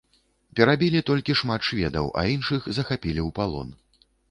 Перабілі толькі шмат шведаў, а іншых захапілі ў палон.